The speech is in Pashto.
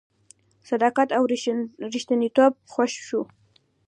صداقت او ریښتینتوب خوښ شو.